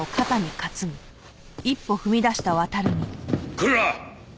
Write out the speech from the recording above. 来るな！